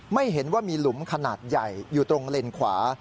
ไม่เห็นว่ามีหลุมขนาดใหญ่อยู่ตรงเลนขวา